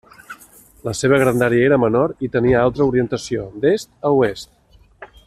La seva grandària era menor i tenia altra orientació: d'est a oest.